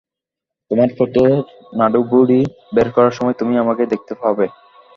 তোমার পেটের নাড়িভুঁড়ি বের করার সময় তুমি আমাকে দেখতে পাবে।